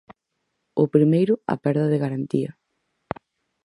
O primeiro, a perda de garantía.